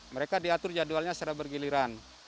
mereka diatur jadwalnya secara bergiliran